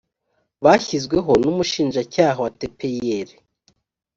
bashyizweho n’umushinjacyaha wa tpir